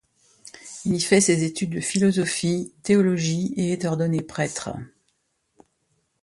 Il y fait ses études de philosophie, théologie, et est ordonné prêtre.